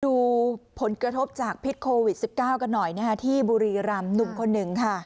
ดูผลกระทบจากพิษโควิด๑๙กันหน่อยนะคะที่บุรีรำหนุ่มคนหนึ่งค่ะ